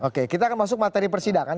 oke kita akan masuk materi persidangan